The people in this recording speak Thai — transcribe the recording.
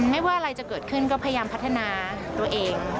ไม่ว่าอะไรจะเกิดขึ้นก็พยายามพัฒนาตัวเอง